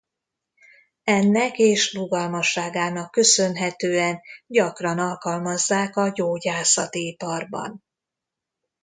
Ennek és rugalmasságának köszönhetően gyakran alkalmazzák a gyógyászati iparban.